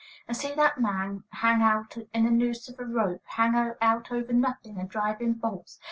And see that man hang out in a noose of a rope, hang out over nothing, and drive in bolts.